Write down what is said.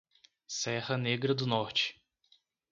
Serra Negra do Norte